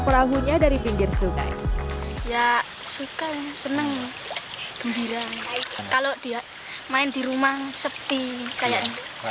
perahunya dari pinggir sungai ya suka seneng gembira kalau dia main di rumah sepi kayak